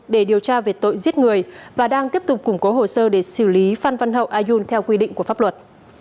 để điều tra về tội giết người và đang tiếp tục củng cố hồ sơ để xử lý phan văn hậu ayun theo quy định của pháp luật